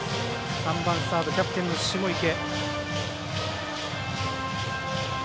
３番サードキャプテンの下池。